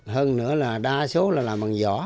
hơn nữa là đa số là làm bằng vỏ